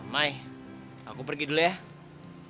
mai aku pergi dulu ya